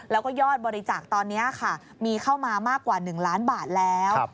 แล้วก็ยอดบริจาคตอนนี้ค่ะมีเข้ามามากกว่า๑ล้านบาทแล้ว